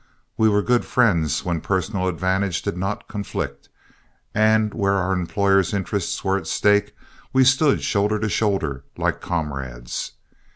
We were good friends when personal advantages did not conflict, and where our employer's interests were at stake we stood shoulder to shoulder like comrades.